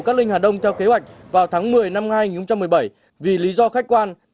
cát linh hà đông theo kế hoạch vào tháng một mươi năm hai nghìn một mươi bảy vì lý do khách quan